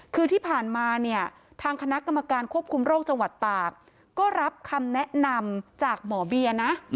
คือที่ผ่านมาเนี่ยทางคณะกรรมการควบคุมโรคจังหวัดตากก็รับคำแนะนำจากหมอเบียนะ